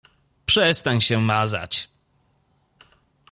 Przestań się mazać.